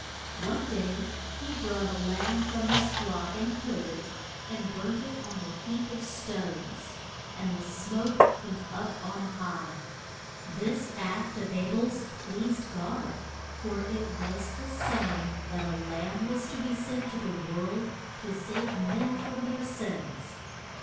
One day he brought a lamb from his flock, and killed it, and burnt it on a heap of stones. And the smoke went up on high. This act of A bel's pleased God, for it was the sign that a Lamb was to be sent to the world to save men from their sins.